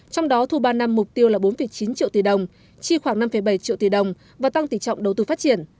trong đó thu ba năm mục tiêu là bốn chín triệu tỷ đồng chi khoảng năm bảy triệu tỷ đồng và tăng tỷ trọng đầu tư phát triển